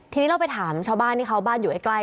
ทีนี้เราไปถามชาวบ้านที่เขาบ้านอยู่ใกล้